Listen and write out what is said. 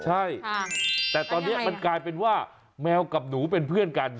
ใช่แต่ตอนนี้มันกลายเป็นว่าแมวกับหนูเป็นเพื่อนกัน